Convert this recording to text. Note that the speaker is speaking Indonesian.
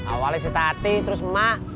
awalnya si tati terus emak